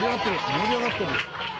盛り上がってる。